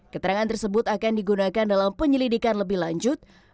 keterangan tersebut akan digunakan dalam penyelidikan lebih lanjut